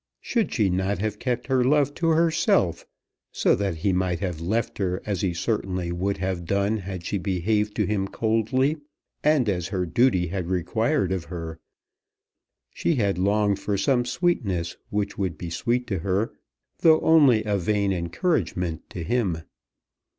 Should she not have kept her love to herself, so that he might have left her, as he certainly would have done had she behaved to him coldly, and as her duty had required of her. She had longed for some sweetness which would be sweet to her though only a vain encouragement to him.